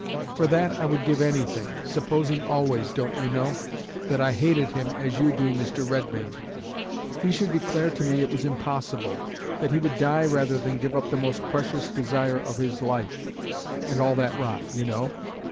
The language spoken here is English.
For that I would give anything supposing always, don't you know? that I hated him as you do Mr. Redmain. He should declare to me it was impossible; that he would die rather than give up the most precious desire of his life and all that rot, you know.